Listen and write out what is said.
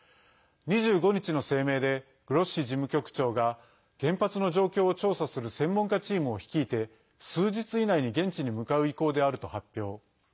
２５日の声明でグロッシ事務局長が原発の状況を調査する専門家チームを率いて数日以内に現地に向かう意向であると発表。